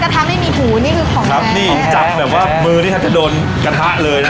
โดยคนน้ำมันจับแบบว่ามือที่ท่านจะโดนกระทะเลยน่ะ